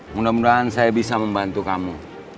mudah mudahan saya bisa membantu kamu